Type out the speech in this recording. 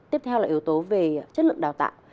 tiếp theo là yếu tố về chất lượng đào tạo